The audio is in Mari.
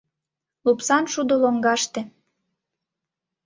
Лупсан шудо лоҥгаште